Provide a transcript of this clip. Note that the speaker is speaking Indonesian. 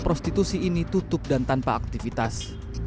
prostitusi ini tutup dan tanpa aktivitas